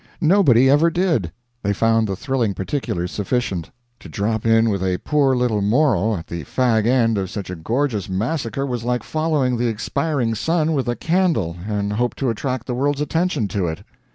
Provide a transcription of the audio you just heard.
Nobody ever did. They found the thrilling particulars sufficient. To drop in with a poor little moral at the fag end of such a gorgeous massacre was like following the expiring sun with a candle and hope to attract the world's attention to it.